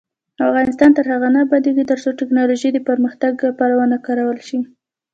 افغانستان تر هغو نه ابادیږي، ترڅو ټیکنالوژي د پرمختګ لپاره ونه کارول شي.